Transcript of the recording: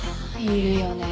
いるよね